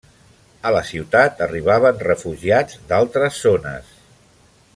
A la ciutat arribaven refugiats d'altres zones.